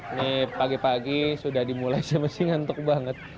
ini pagi pagi sudah dimulai saya masih ngantuk banget